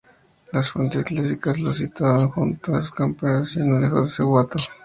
Las fuentes clásicas los situaban junto a los carpetanos y no lejos de Sagunto.